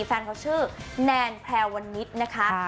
แฟนเขาชื่อแนนแพรวันนิดนะคะ